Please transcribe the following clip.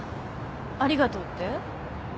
ありがとうって？